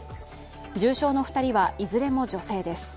重傷の２人はいずれも女性です。